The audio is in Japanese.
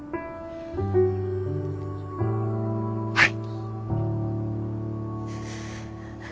はい。